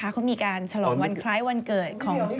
เขามีการฉลองวันคล้ายวันเกิดของ